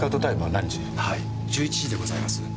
はい１１時でございます。